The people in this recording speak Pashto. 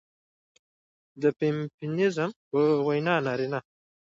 د فيمينزم په وينا نارينه